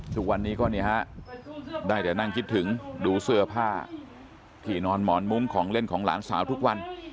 ทุกวันนี้ก็ได้แต่นั่งคิดถึงดูเสื้อผ้าที่นอนหมอนมุ้งของเล่นของหลานสาวทุกวัน